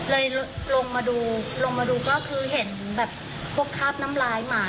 เลยลงมาดูลงมาดูก็คือเห็นแบบพวกคราบน้ำลายหมา